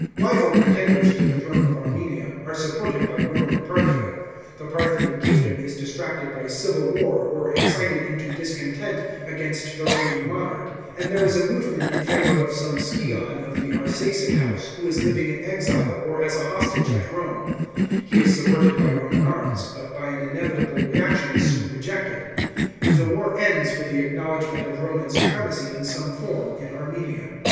Rival pretenders to the throne of Armenia are supported by Rome and Parthia; the Parthian kingdom is distracted by civil war or excited into discontent again> t the reigning monarch, and there is a movement in favour of some scion of the Arsacid house who is living in exile or as a hostage at Rome; he is supported by Roman arms, but by an inevitable reaction is soon rejected; and the war ends with the acknowledgment of Roman supremacy in some form in Armenia.